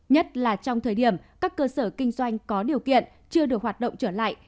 nhất là trong thời điểm các cơ sở kinh doanh có điều kiện chưa được hoạt động trở lại